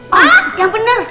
hah yang bener